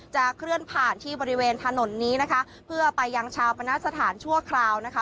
เคลื่อนผ่านที่บริเวณถนนนี้นะคะเพื่อไปยังชาวปณสถานชั่วคราวนะคะ